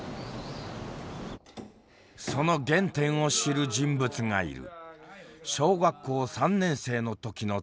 その原点を知る人物がいる。